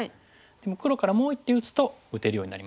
でも黒からもう１手打つと打てるようになります。